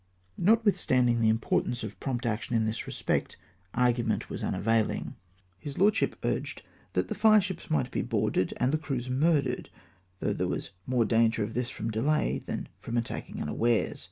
Notwithstanding the importance of prompt action in this respect, argument was unavaiUng. His lordship RESULTS OF DELAY. 371 urged that the fireships might be boarded, and the crews murdered, though there was more danger of this from delay than from attacking unawares.